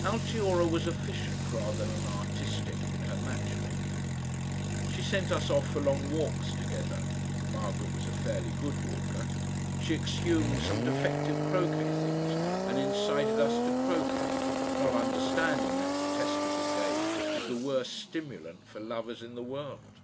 Altiora was efficient rather than artistic in her match making. She sent us off for long walks together Margaret was a fairly good walker she exhumed some defective croquet things and incited us to croquet, not understanding that detestable game is the worst stimulant for lovers in the world.